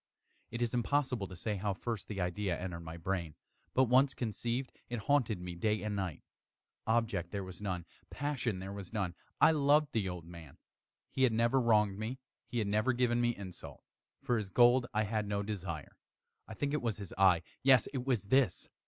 It is impossible to say how first the idea entered my brain; but once conceived, it haunted me day and night. Object there was none. Passion there was none. I loved the old man. He had never wronged me. He had never given me insult. For his gold I had no desire. I think it was his eye! yes, it was this!